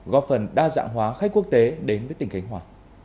góp phần đa dạng hóa khách quốc tế đến với tỉnh khánh hòa